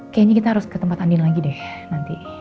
kayaknya kita harus ke tempat andi lagi deh nanti